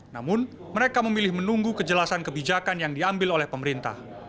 namun mereka memilih menunggu kejelasan kebijakan yang diambil oleh pemerintah